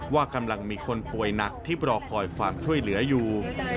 ว่ากำลังมีคนป่วยหนักที่รอคอยฝากช่วยเหลืออยู่